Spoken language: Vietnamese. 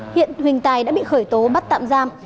hiện huỳnh tài đã bị khởi tố bắt tạm giam